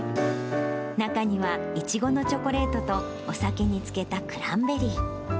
中にはイチゴのチョコレートとお酒に漬けたクランベリー。